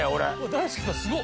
大輔さんすごっ！